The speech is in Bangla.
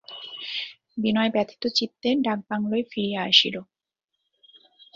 বিনয় ব্যথিত চিত্তে ডাকবাংলায় ফিরিয়া আসিল।